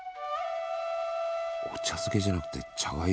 お茶漬けじゃなくて茶がゆ。